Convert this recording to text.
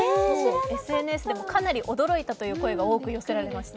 ＳＮＳでも、かなり驚いたといった声が多く寄せられました。